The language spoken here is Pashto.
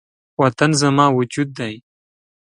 وطن زما وجود دی